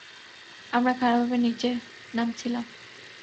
আমরা খাড়াভাবে নিচে নামছিলাম।